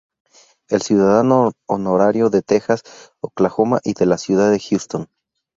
Es "ciudadano honorario" de Texas, Oklahoma, y de la ciudad de Houston.